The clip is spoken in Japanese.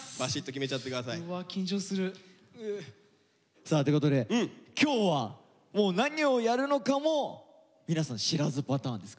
さあということで今日はもう何をやるのかも皆さん知らずパターンですか？